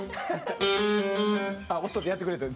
あっ音でやってくれてる。